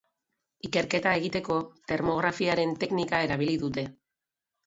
Ikerketa egiteko, termografiaren teknika erabili dute.